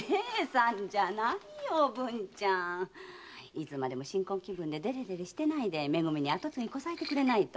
いつまでも新婚気分でデレデレしてないでめ組に跡継ぎこさえてくれないと。